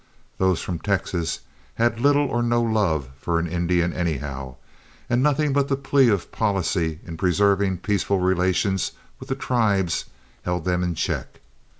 Those from Texas had little or no love for an Indian anyhow, and nothing but the plea of policy in preserving peaceful relations with the tribes held them in check.